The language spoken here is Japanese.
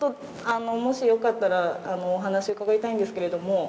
もしよかったらお話を伺いたいんですけれども。